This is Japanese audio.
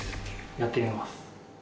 やってみます。